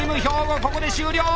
ここで終了！